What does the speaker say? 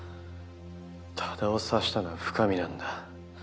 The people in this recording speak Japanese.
多田を刺したのは深水なんだ。